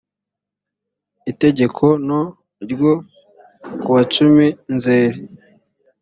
itegeko no ryo kuwa cumi nzeri